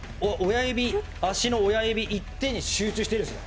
足の親指１点に集中しているんですよ。